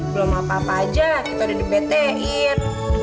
belum apa apa aja kita udah di pt in